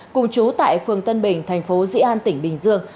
cùng chú tại phường tân bình thành phố dĩ an tỉnh bình dương